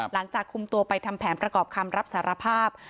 หลังจากคุมตัวไปทำแผนประกอบคำรับสารภาพ